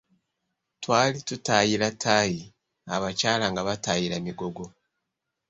Twali tutaayira tie, Abakyala nga bataayira migogo.